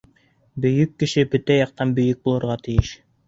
Бөйөк кеше бөтә яҡтан бөйөк булырға тейеш.